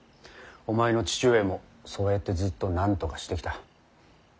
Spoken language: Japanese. お前の父上もそうやってずっとなんとかしてきた。